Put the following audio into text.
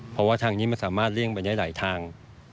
เพราะว่าทางนี้มันสามารถเลี่ยงไปได้หลายทาง